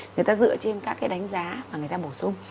người ta dựa trên các cái đánh giá mà người ta bổ sung